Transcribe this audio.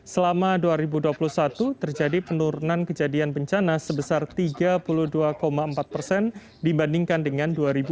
selama dua ribu dua puluh satu terjadi penurunan kejadian bencana sebesar tiga puluh dua empat persen dibandingkan dengan dua ribu dua puluh